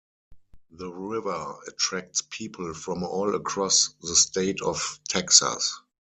The river attracts people from all across the state of Texas.